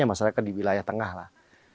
masyarakat di wilayah tengah lah